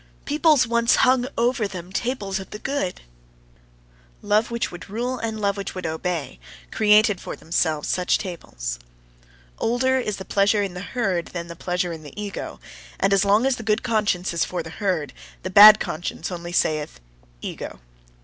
Peoples once hung over them tables of the good. Love which would rule and love which would obey, created for themselves such tables. Older is the pleasure in the herd than the pleasure in the ego: and as long as the good conscience is for the herd, the bad conscience only saith: ego.